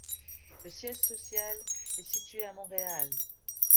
Le siège social est situé à Montréal.